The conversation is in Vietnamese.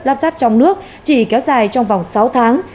lắp ráp trong nước chỉ kéo dài trong vòng sáu tháng